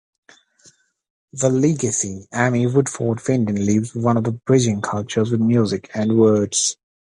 The legacy Amy Woodforde-Finden leaves is one of bridging cultures with music and words.